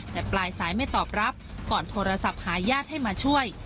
แต่ปลายสายไม่ตอบรับก่อนโทรศัพท์หาญาติให้มาช่วย